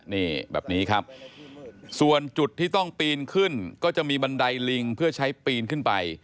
นี่แบบนี้ครับส่วนจุดที่ต้องปีนขึ้นก็จะมีบันไดลิงเพื่อใช้ปีนขึ้นไป